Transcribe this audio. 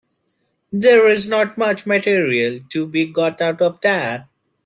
There is not much material to be got out of that.